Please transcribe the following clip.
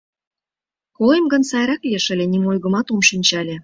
Колем гын, сайрак лиеш ыле: нимо ойгымат ом шинче ыле...